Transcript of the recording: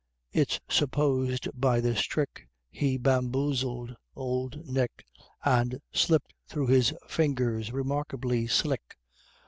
(It's supposed by this trick He bamboozled Old Nick, And slipped through his fingers remarkably "slick.")